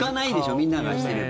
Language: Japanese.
みんながしてれば。